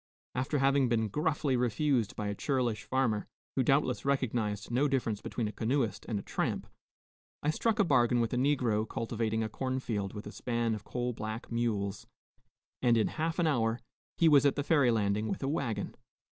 After having been gruffly refused by a churlish farmer, who doubtless recognized no difference between a canoeist and a tramp, I struck a bargain with a negro cultivating a cornfield with a span of coal black mules, and in half an hour he was at the ferry landing with a wagon.